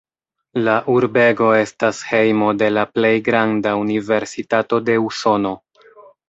La urbego estas hejmo de la plej granda universitato de Usono.